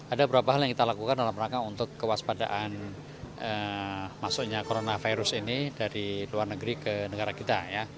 ada beberapa hal yang kita lakukan dalam rangka untuk kewaspadaan masuknya coronavirus ini dari luar negeri ke negara kita